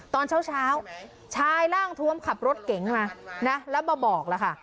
ตอนเช้าชายร่างทวมขับรถเก๋งมานะแล้วมาบอกแล้วค่ะ